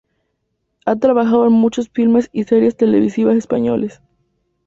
Ha trabajado en muchos filmes y series televisivas españoles.